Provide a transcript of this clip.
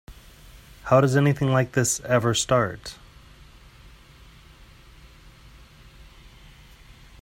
How does anything like this ever start?